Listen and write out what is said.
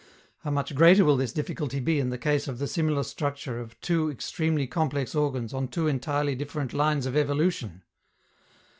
How much greater will this difficulty be in the case of the similar structure of two extremely complex organs on two entirely different lines of evolution!